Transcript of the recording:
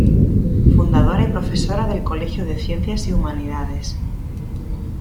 Fundadora y profesora del Colegio de Ciencias y Humanidades.